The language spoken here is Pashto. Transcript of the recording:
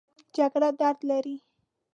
جګړه درد لري